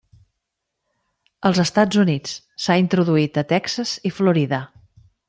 Als Estats Units s'ha introduït a Texas i Florida.